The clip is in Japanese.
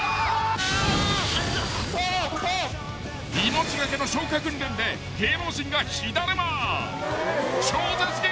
命がけの消火訓練で芸能人が火だるま。